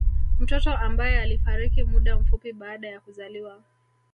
Mtoto ambae alifariki muda mfupi baada ya kuzaliwa